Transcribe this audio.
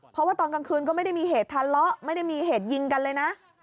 เพราะว่าตอนกลางคืนก็ไม่ได้มีเหตุทะเลาะไม่ได้มีเหตุยิงกันเลยนะ